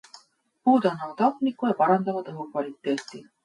Puud annavad hapnikku ja parandavad õhukvaliteeti.